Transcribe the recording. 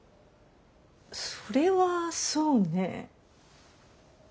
それはそうね。